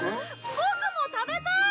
ボクも食べたい！